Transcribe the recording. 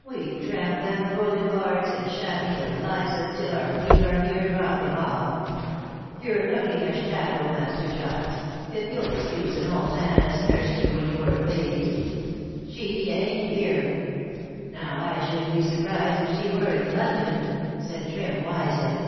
We've tramped them bullyvardes and Chamy Elizas till our feet are near dropping off. You're looking a shadow, Master Giles, if you'll excuse an old man as nursed you when you were a baby. She ain't here. Now I shouldn't be surprised if she were in London," said Trim wisely.